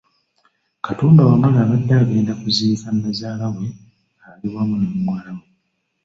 Katumba Wamala abadde agenda kuziika Nnazaala we ng’ali wamu ne muwala we.